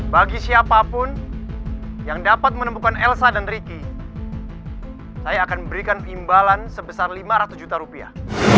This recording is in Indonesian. bagi siapapun yang dapat menemukan elsa dan ricky saya akan berikan imbalan sebesar lima ratus juta rupiah